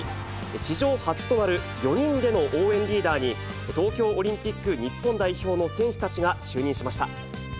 史上初となる４人での応援リーダーに、東京オリンピック日本代表の選手たちが就任しました。